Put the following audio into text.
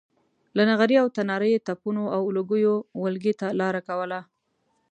له نغري او تناره یې تپونو او لوګیو ولږې ته لاره کوله.